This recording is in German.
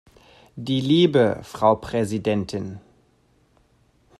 Die Liebe, Frau Präsidentin!